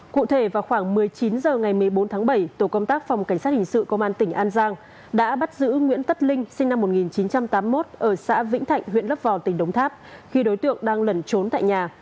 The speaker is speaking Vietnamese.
cụ thể vào khoảng một mươi chín h ngày một mươi bốn tháng bảy tổ công tác phòng cảnh sát hình sự công an tỉnh an giang đã bắt giữ nguyễn tất linh sinh năm một nghìn chín trăm tám mươi một ở xã vĩnh thạnh huyện lấp vò tỉnh đồng tháp khi đối tượng đang lẩn trốn tại nhà